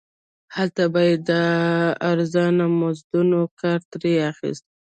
هلته به یې د ارزانه مزدورانو کار ترې اخیست.